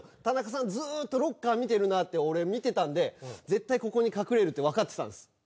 田中さんずっとロッカー見てるなって俺見てたんで絶対ここに隠れるってわかってたんです。